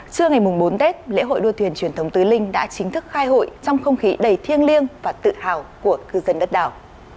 trưa ngày bốn tết lễ hội đua thuyền truyền thống tứ linh đã chính thức khai hội trong không khí đầy thiêng liêng và tự hào của cư dân đất đảo